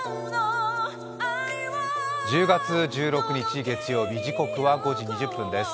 １０月１６日月曜日、時刻は５時２０分です。